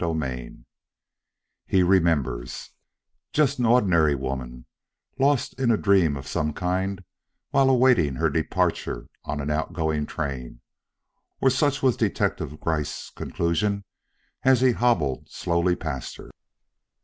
XXII HE REMEMBERS Just an ordinary woman, lost in a dream of some kind while awaiting her departure on an out going train! or such was Detective Gryce's conclusion as he hobbled slowly past her.